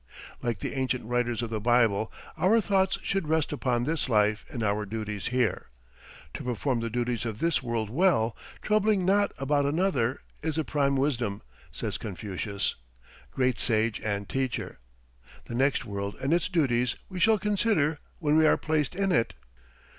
Like the ancient writers of the Bible our thoughts should rest upon this life and our duties here. "To perform the duties of this world well, troubling not about another, is the prime wisdom," says Confucius, great sage and teacher. The next world and its duties we shall consider when we are placed in it.